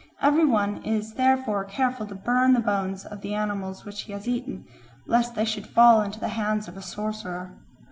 Every one is therefore careful to burn the bones of the animals which he has eaten, lest they should fall into the hands of a sorcerer.